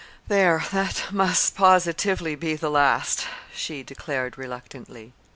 "There! that must positively be the last," she declared reluctantly.